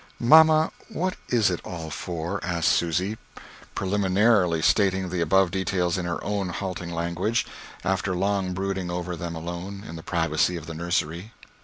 "Mamma, what is it all for?" asked Susy, preliminarily stating the above details in her own halting language, after long brooding over them alone in the privacy of the nursery.